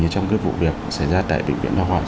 như trong vụ việc xảy ra tại bệnh viện